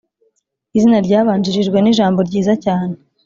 izina ryabanjirijwe nijambo ryiza cyane